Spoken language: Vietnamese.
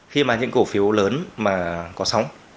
khi mà những cổ phiếu lớn mà có sóng